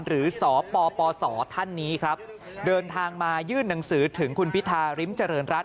หรือสปสท่านนี้ครับเดินทางมายื่นหนังสือถึงคุณพิธาริมเจริญรัฐ